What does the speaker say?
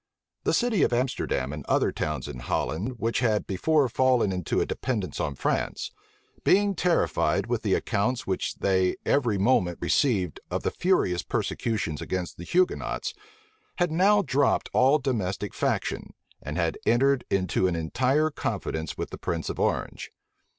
The city of Amsterdam and other towns in Holland, which had before fallen into a dependence on France, being terrified with the accounts which they every moment received of the furious persecutions against the Hugonots, had now dropped all domestic faction, and had entered into an entire confidence with the prince of Orange.